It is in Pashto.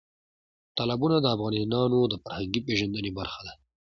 تالابونه د افغانانو د فرهنګي پیژندنې برخه ده.